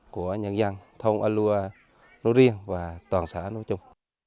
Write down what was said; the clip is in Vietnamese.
của nhân dân thôn an lua lua riêng và toàn xã nói chung